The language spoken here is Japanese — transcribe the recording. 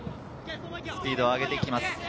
スピード上げて行きます